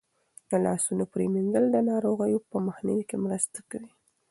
د لاسونو پریمنځل د ناروغیو په مخنیوي کې مرسته کوي.